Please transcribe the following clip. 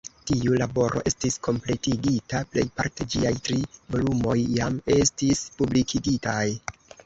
Tiu laboro estis kompletigita plejparte; ĝiaj tri volumoj jam estis publikigitaj.